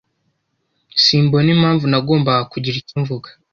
Simbona impamvu nagombaga kugira icyo mvuga.